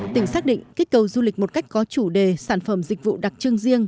tỉnh xác định kích cầu du lịch một cách có chủ đề sản phẩm dịch vụ đặc trưng riêng